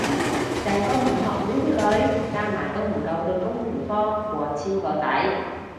成個文學院啲女加埋都唔夠對工程科過千個仔